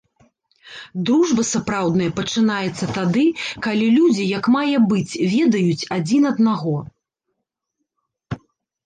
Дружба сапраўдная пачынаецца тады, калі людзі як мае быць ведаюць адзін аднаго.